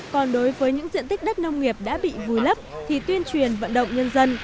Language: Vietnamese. còn đối với những diện tích đất nông nghiệp đã bị vùi lấp thì tuyên truyền vận động nhân dân